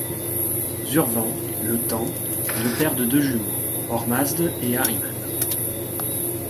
Zurvân, le Temps, est le père de deux jumeaux, Ôhrmazd et Ahriman.